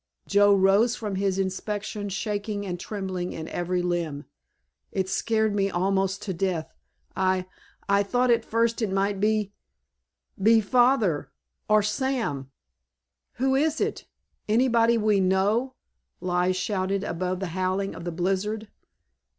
Joe rose from his inspection shaking and trembling in every limb. "It scared me almost to death. I—I thought at first it might be—be—Father—or Sam." "Who is it? Anybody we know?" Lige shouted above the howling of the blizzard.